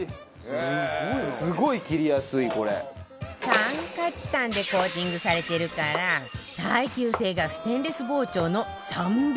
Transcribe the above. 炭化チタンでコーティングされてるから耐久性がステンレス包丁の３００倍